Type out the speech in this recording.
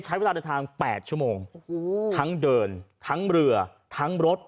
ใช้เวลาเดินทาง๘ชั่วโมงทั้งเดินทั้งเรือทั้งรถ